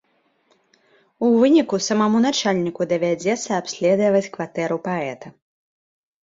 У выніку самаму начальніку давядзецца абследаваць кватэру паэта.